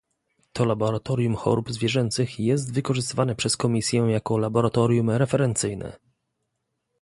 To laboratorium chorób zwierzęcych jest wykorzystywane przez Komisję jako laboratorium referencyjne